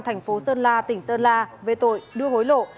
thành phố sơn la tỉnh sơn la về tội đưa hối lộ